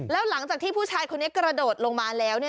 แล้วหลังจากที่ผู้ชายคนนี้กระโดดลงมาแล้ว